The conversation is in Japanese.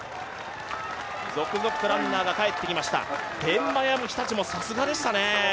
続々とランナーが帰ってきました、天満屋も日立もさすがでしたね。